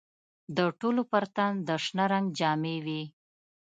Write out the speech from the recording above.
د ټولو پر تن د شنه رنګ جامې وې.